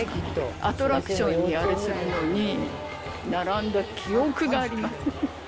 アトラクションにあれするのに並んだ記憶があります。